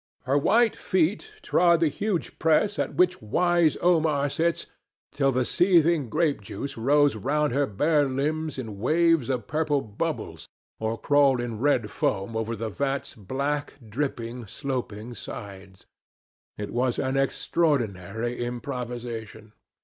Her white feet trod the huge press at which wise Omar sits, till the seething grape juice rose round her bare limbs in waves of purple bubbles, or crawled in red foam over the vat's black, dripping, sloping sides. It was an extraordinary improvisation.